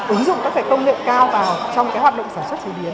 ứng dụng các cái công nghệ cao vào trong cái hoạt động sản xuất chế biến